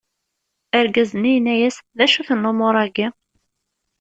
Argaz-nni yenna-as: D acu-ten lumuṛ-agi?